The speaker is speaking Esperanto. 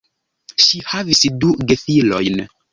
Ŝi havis du gefilojn.